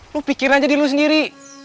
lo pikirin aja di lo sendiri